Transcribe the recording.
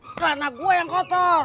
karena gua yang kotor